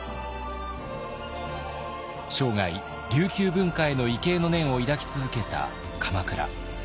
生涯琉球文化への畏敬の念を抱き続けた鎌倉。